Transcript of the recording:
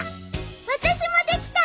私もできた。